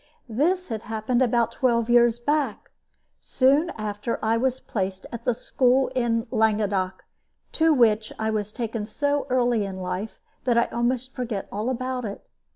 This had happened about twelve years back, soon after I was placed at the school in Languedoc, to which I was taken so early in life that I almost forget all about it.